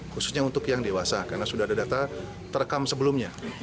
khususnya untuk yang dewasa karena sudah ada data terekam sebelumnya